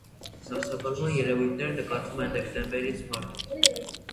Սառցակալման երևույթներ նկատվում են դեկտեմբերից մարտ։